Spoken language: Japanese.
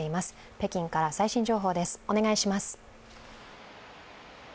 北京から最新情報です。